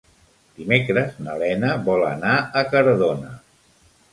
Dimecres na Lena vol anar a Cardona.